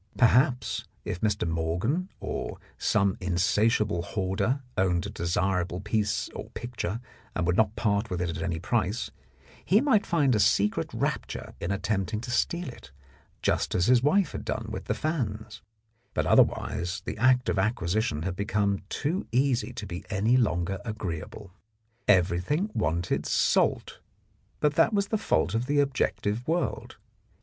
Perhaps if Mr. Morgan or some insatiable hoarder owned a desirable piece or picture and would not part with it at any price, he might find a secret rapture in attempting to steal it, just as his wife had done with the fans, but otherwise the act of acquisition had become too easy to be any longer agreeable. Everything wanted salt, but that was the fault of the objective world.